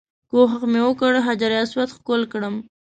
کوښښ مې وکړ حجر اسود ښکل کړم.